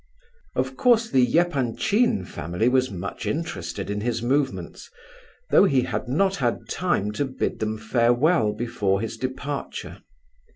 Of course the Epanchin family was much interested in his movements, though he had not had time to bid them farewell before his departure.